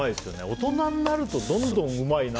大人になるとどんどんうまいなって。